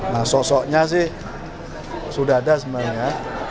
nah sosoknya sih sudah ada sebenarnya